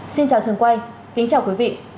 xin chào trường quay kính chào quý vị